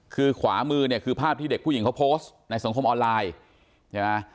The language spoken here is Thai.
คือขวามือเนี่ยคือภาพที่เด็กผู้หญิงเขาโพสต์ในสังคมออนไลน์ใช่ไหม